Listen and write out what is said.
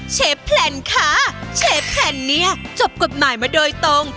เชฟแพลนค่ะเชฟแพลนเนี่ยจบกฎหมายมาโดยตรง